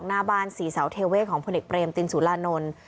หน้าบ้านศรีเสาเทเวศของพลเอกเบรมตินสุรานนท์